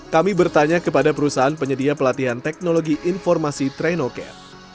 kami bertanya kepada perusahaan penyedia pelatihan teknologi informasi trenocare